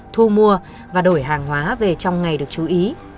thu mua và đổi hàng hóa về trong ngày được chú ý